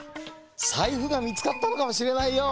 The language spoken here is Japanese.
さいふがみつかったのかもしれないよ。